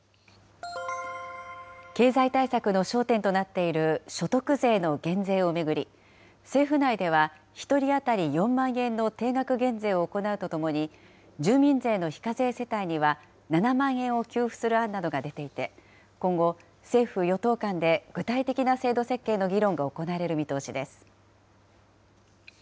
経済対策の焦点となっている所得税の減税を巡り、政府内では、１人当たり４万円の定額減税を行うとともに、住民税の非課税世帯には７万円を給付する案などが出ていて、今後、政府・与党間で、具体的な制度設計の議論が行われる見通しです。